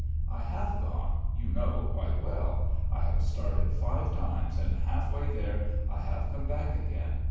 "I have gone. You know quite well. I have started five times and half way there I have come back again.